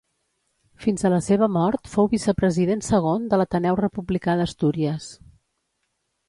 Fins a la seva mort fou vicepresident segon de l'Ateneu Republicà d'Astúries.